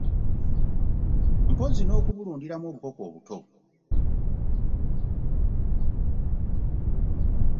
Mpozzi n'okubulundiramu obukoko obuto